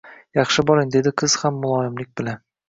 -Yaxshi boring, — dedi qiz ham muloyimlik bilan.